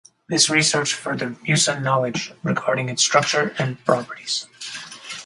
This research furthered mucin knowledge regarding its structure and properties.